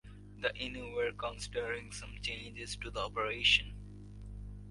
The Innu were considering some changes to the operation.